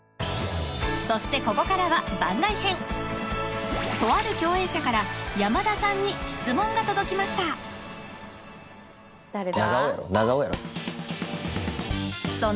そしてここからはとある共演者から山田さんに質問が届きました誰だ？